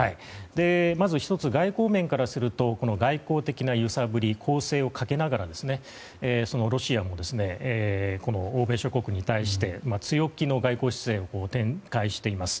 まず１つ、外交面からすると外交的な揺さぶり攻勢をかけながらロシアも欧米諸国に対して強気の外交姿勢を展開しています。